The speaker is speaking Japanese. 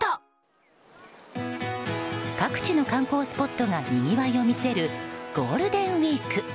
各地の観光スポットがにぎわいを見せるゴールデンウィーク。